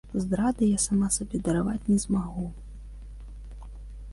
Здрады я сама сабе дараваць не змагу.